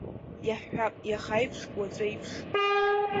Иаҳҳәап, иаха аиԥш, уаҵәы еиԥш.